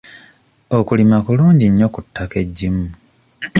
Okulima kulungi nnyo ku ttaka eggimu.